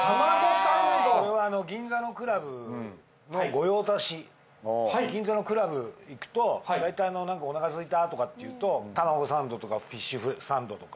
これは銀座のクラブの御用達銀座のクラブ行くと大体「おなかすいた」とかって言うとたまごサンドとかフィッシュサンドとか。